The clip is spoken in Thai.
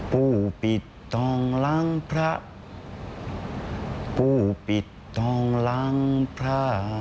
ผู้ปิดทองหลังพระผู้ปิดทองหลังพระ